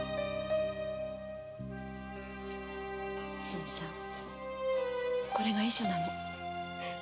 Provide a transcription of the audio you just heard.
新さんこれが遺書なの。